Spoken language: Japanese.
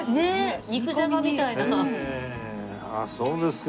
ああそうですか。